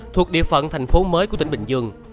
thuộc địa phận thành phố mới của tỉnh bình dương